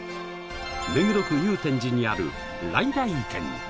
目黒区祐天寺にある来々軒。